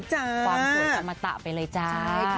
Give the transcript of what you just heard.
ความสวยอมตะไปเลยจ้า